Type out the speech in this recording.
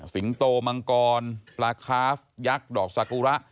สิงโตมังกรปลาคาฟยักษ์ดอกสากุระ